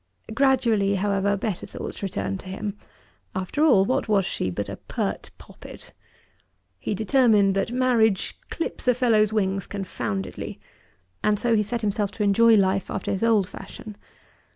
Gradually, however, better thoughts returned to him. After all, what was she but a "pert poppet"? He determined that marriage "clips a fellow's wings confoundedly," and so he set himself to enjoy life after his old fashion.